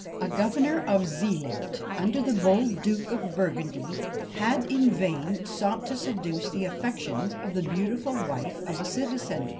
A governor of Zealand, under the bold Duke of Burgundy, had in vain sought to seduce the affections of the beautiful wife of a citizen.